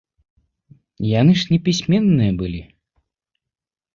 Яны ж непісьменныя былі!